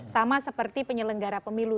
sama seperti penyelenggara pemilu